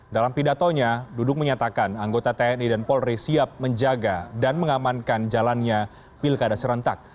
dalam pidatonya dudung menyatakan anggota tni dan polri siap menjaga dan mengamankan jalannya pilkada serentak